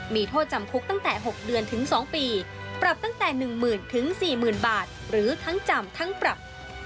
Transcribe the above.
มีโทษจำคุกตั้งแต่๖เดือนถึง๒ปีปรับตั้งแต่๑๐๐๐๔๐๐๐บาทหรือทั้งจำทั้งปรับ